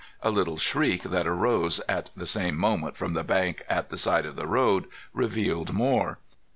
A little shriek that arose at the same moment from the bank at the side of the road revealed more.